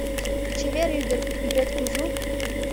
- Чевер ӱдыр, ӱпет кужу?